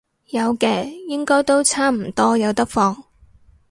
有嘅，應該都差唔多有得放